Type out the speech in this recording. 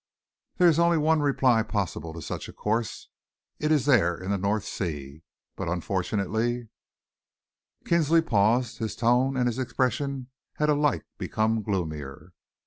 There is only one reply possible to such a course. It is there in the North Sea. But unfortunately " Kinsley paused. His tone and his expression had alike become gloomier.